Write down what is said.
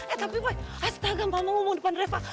eh tapi boy astaga mama mau depan reva